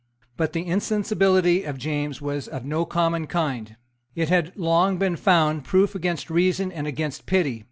But the insensibility of James was of no common kind. It had long been found proof against reason and against pity.